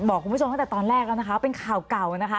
บอกคุณผู้ชมตั้งแต่ตอนแรกแล้วนะคะเป็นข่าวเก่านะคะ